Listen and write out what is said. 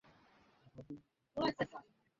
তোর প্রশ্নের উত্তর, আমি পুলিশ।